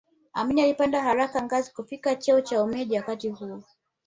Amin alipanda haraka ngazi kufikia cheo cha umeja wakati huo